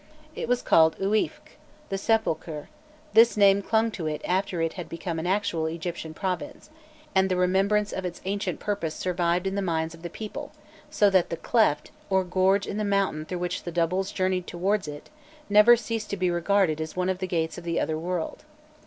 It was called Uîfc, the Sepulchre; this name clung to it after it had become an actual Egyptian province, and the remembrance of its ancient purpose survived in the minds of the people, so that the "cleft," or gorge in the mountain through which the doubles journeyed towards it, never ceased to be regarded as one of the gates of the other world.